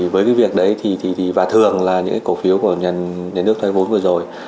với việc đấy và thường là những cổ phiếu của nhà nước thoái vốn vừa rồi